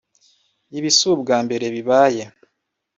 Ibi si ubwa mbere bibaye